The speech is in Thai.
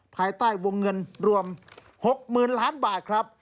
ภายใต้วงเงินรวม๖๐๐๐ล้านบาทครับ